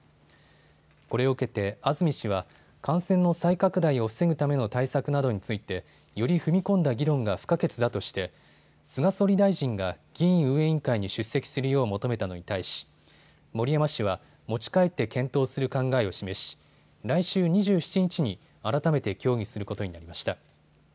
これを受けて安住氏は感染の再拡大を防ぐための対策などについてより踏み込んだ議論が不可欠だとして菅総理大臣が議員運営委員会に出席するよう求めたのに対し森山氏は持ち帰って検討する考えを示し来週２７日に改めて協議することになりました。